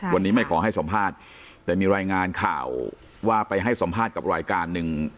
วันนี้ไม่ขอให้สัมภาษณ์แต่มีรายงานข่าวว่าไปให้สัมภาษณ์กับรายการหนึ่ง